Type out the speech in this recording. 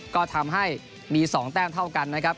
ก็ทำให้มี๒แต้มเท่ากันนะครับ